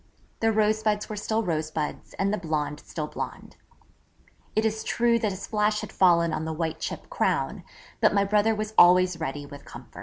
The rosebuds were still rosebuds and the blonde still blonde. It is true that a splash had fallen on the white chip crown, but my brother was always ready with comfort.